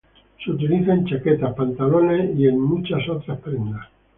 Es utilizada en chaquetas, pantalones y en muchas otras prendas.